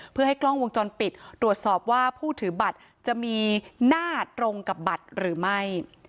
เพื่อให้กล้องวงจรปิดตรวจสอบว่าผู้ถือบัตรจะมีหน้าตรงกับบัตรหรือไม่